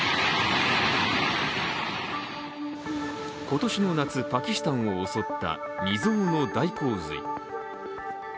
今年の夏、パキスタンを襲った未曽有の大洪水。